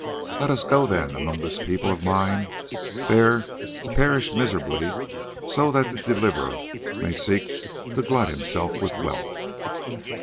Let us go then among this people of mine, there to perish miserably, so that the Deliverer may seek to glut himself with wealth.